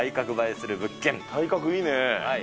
体格いいね。